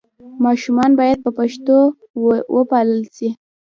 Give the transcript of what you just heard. ماشومان باید په پښتو وپالل سي.